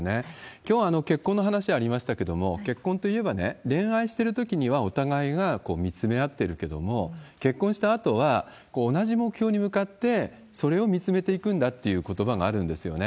きょう、結婚の話ありましたけれども、結婚といえばね、恋愛してるときにはお互いが見つめ合ってるけれども、結婚したあとは、同じ目標に向かって、それを見つめていくんだっていうことばがあるんですよね。